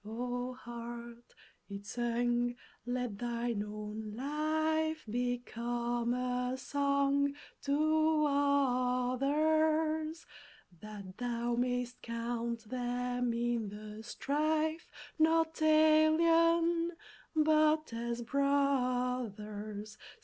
"O heart," it sang, "let thine own life Become a song to others, That thou mayst count them in the strife Not alien, but as brothers!